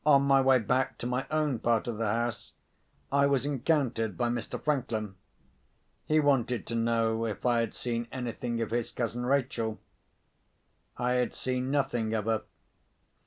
On my way back to my own part of the house, I was encountered by Mr. Franklin. He wanted to know if I had seen anything of his cousin Rachel. I had seen nothing of her.